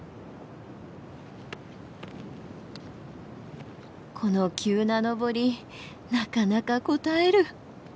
この急な登りなかなかこたえる。